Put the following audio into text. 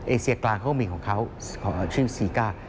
เอเซียกลางก็มีของเขาเช่นสีกา